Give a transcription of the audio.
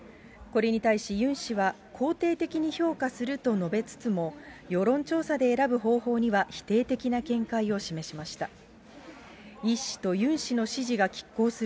これに対し、ユン氏は、肯定的に評価すると述べつつも、世論調査で選ぶ方法には否定的な見解を示しました。